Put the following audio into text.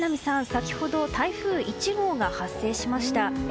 先ほど台風１号が発生しました。